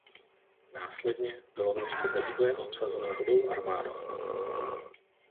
Následně bylo město bez boje obsazeno Rudou armádou.